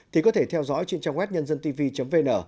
thì có thể theo dõi trên trang web nhân dân tivi vn